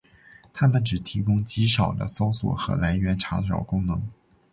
它们只提供极少的搜索和来源查找功能。